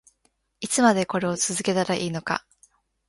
いつまでこれを続けたらいいのか